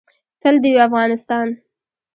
تل دې وي افغانستان؟